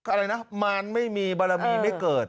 อะไรนะมารไม่มีบารมีไม่เกิด